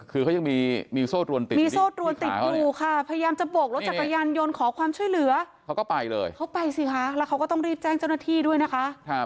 ใช่สิคะแล้วเขาก็ต้องรีบแจ้งเจ้าหน้าที่ด้วยนะคะ